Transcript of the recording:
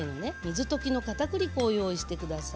水溶きのかたくり粉を用意して下さい。